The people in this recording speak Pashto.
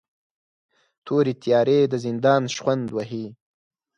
تورې تیارې د زندان شخوند وهي